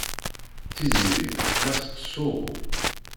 Tiziri la tettsuɣu.